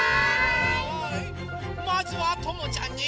まずはともちゃんに。